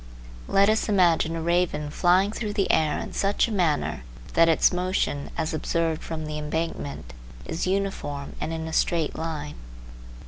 Let us imagine a raven flying through the air in such a manner that its motion, as observed from the embankment, is uniform and in a straight line.